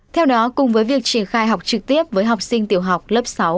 theo đó cùng với việc triển khai học trực tiếp với học sinh tiểu học lớp sáu